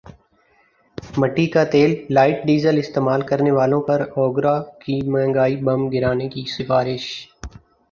مٹی کا تیللائٹ ڈیزل استعمال کرنے والوں پر اوگرا کی مہنگائی بم گرانے کی سفارش